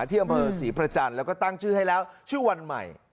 ที่อำเภอศรีประจันทร์แล้วก็ตั้งชื่อให้แล้วชื่อวันใหม่